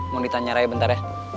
mau ditanya raya bentar ya